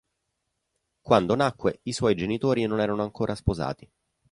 Quando nacque i suoi genitori non erano ancora sposati.